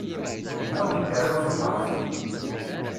Ad wen-d-aruɣ tibratin.